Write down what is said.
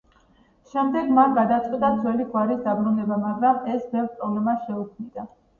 შემდეგ მან გადაწყვიტა ძველი გვარის დაბრუნება, მაგრამ ეს ბევრ პრობლემას შეუქმნიდა.